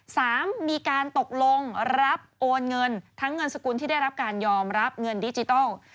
สามมีการตกลงรับโอนเงินทั้งเงินสกุลที่ได้รับการยอมรับเงินดิจิทัล